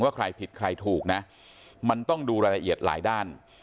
ว่าใครผิดใครถูกมันต้องดูละเอียดหลายด้าน